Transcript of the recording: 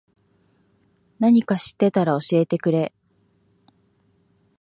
なにか知ってたら教えてくれ。